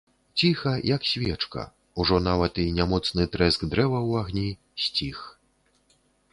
Ціха, як свечка, ужо нават і нямоцны трэск дзерава ў агні сціх.